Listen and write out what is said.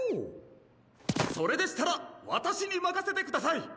それでしたらわたしにまかせてください！